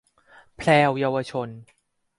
แพรวเยาวชน